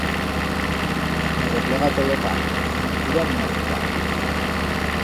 Me replega tot lo pan, no me'n tira ni una mica.